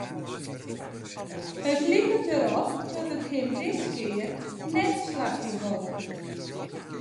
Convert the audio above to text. It liket derop dat it him diskear net slagje wol.